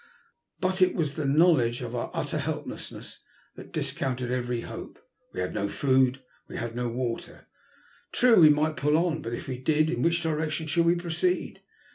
But it was the knowledge of our utter helplessness that discounted every hope. We had no food, we had no IQO TUB LUST 09 S,/iTTL f water. True, we might poll on ; but if we did, in which direction should we proceed